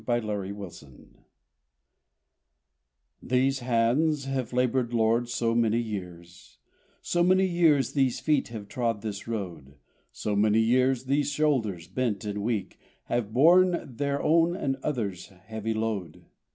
SO MANY YEARS These hands have labored, Lord, so many years; So many years these feet have trod this road; So many years these shoulders, bent and weak, Have borne their own and others' heavy load!